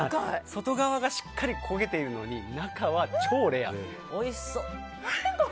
外側がしっかり焦げているのに中は超レア。